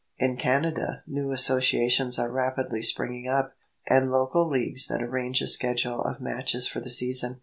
In Canada new associations are rapidly springing up, and local leagues that arrange a schedule of matches for the season.